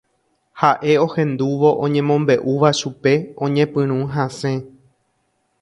Ha'e ohendúvo oñemombe'úva chupe oñepyrũ hasẽ.